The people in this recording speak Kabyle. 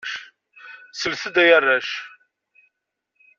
Slet-d ay arrac!